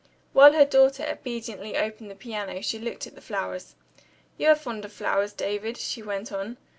While her daughter obediently opened the piano, she looked at the flowers. "You are fond of flowers, David?" she went on.